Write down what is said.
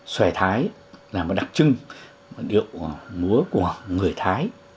xòe thái là một đặc trưng một điều múa của người thái